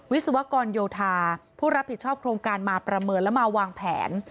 วิศวกรโยธาผู้รับผิดชอบโครงการมาประเมินและมาวางแผน